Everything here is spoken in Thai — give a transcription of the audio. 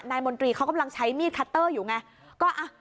มนตรีเขากำลังใช้มีดคัตเตอร์อยู่ไง